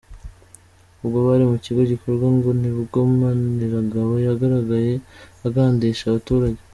Ubwo bari mu iki gikorwa ngo nibwo Maniragaba yagaragaye agandisha abaturage.